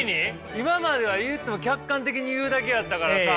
今までは言うても客観的に言うだけやったからさ。